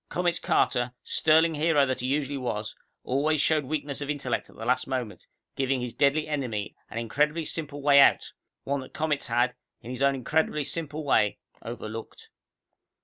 Comets Carter, sterling hero that he usually was, always showed weakness of intellect at the last moment, giving his deadly enemy an incredibly simple way out, one that Comets had, in his own incredibly simple way, overlooked.